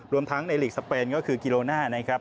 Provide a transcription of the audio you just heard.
รวมทั้งในลีกสเปนก็คือกิโลน่า